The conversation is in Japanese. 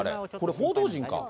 報道陣か。